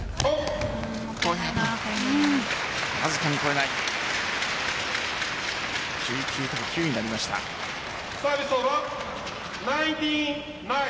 わずかに越えない。